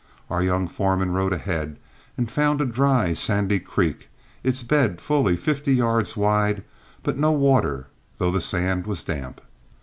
Our young foreman rode ahead and found a dry, sandy creek, its bed fully fifty yards wide, but no water, though the sand was damp.